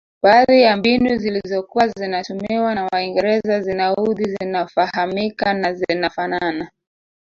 Baadhi ya mbinu zilizokuwa zinatumiwa na waingereza zinaudhi zinafahamika na zinafanana